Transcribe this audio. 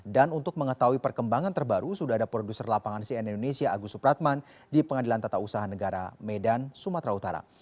dan untuk mengetahui perkembangan terbaru sudah ada produser lapangan cn indonesia agus supratman di pengadilan tata usaha negara medan sumatera utara